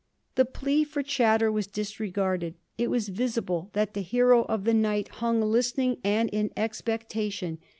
The plea for chatter was disregarded. It was visible that the hero of the night hung listening and in expectation.